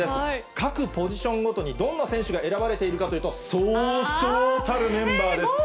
各ポジションごとにどんな選手が選ばれているかというと、そうそうたるメンバーです。